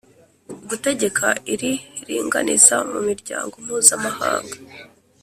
gutegeka iri ringaniza mu miryango mpuzamahanga